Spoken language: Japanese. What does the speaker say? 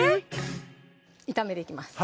炒めていきます